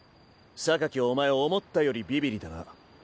お前思ったよりビビリだな。